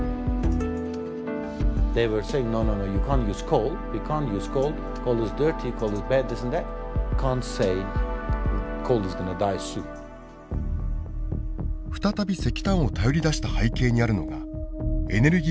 再び石炭を頼りだした背景にあるのがエネルギー危機です。